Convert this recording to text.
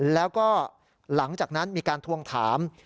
แล้วก็หลังจากนั้นมีการทวงถาม